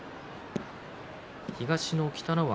東の北の若。